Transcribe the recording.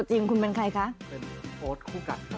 ดิฉันก็เป็นพลายาหลวง